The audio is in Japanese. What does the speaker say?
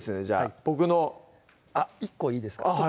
じゃあ僕のあっ１個いいですか？